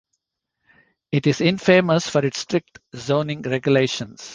It is infamous for its strict zoning regulations.